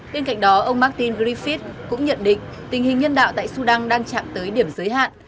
bên cạnh đó ông martin griffith cũng nhận định tình hình nhân đạo tại sudan đang chạm tới điểm giới hạn